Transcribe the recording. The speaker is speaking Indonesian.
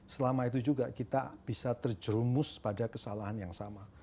selama itu juga kita bisa terjerumus pada kesalahan yang sama